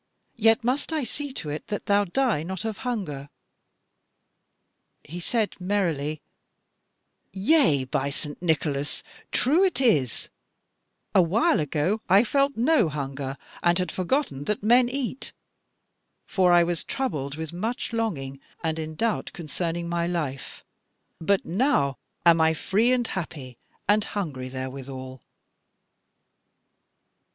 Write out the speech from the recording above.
Yet must I see to it that thou die not of hunger." He said merrily: "Yea, by St. Nicholas, true it is: a while ago I felt no hunger, and had forgotten that men eat; for I was troubled with much longing, and in doubt concerning my life; but now am I free and happy, and hungry therewithal."